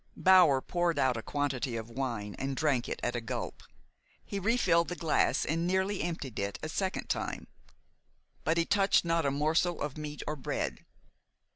Bower poured out a quantity of wine and drank it at a gulp. He refilled the glass and nearly emptied it a second time. But he touched not a morsel of meat or bread.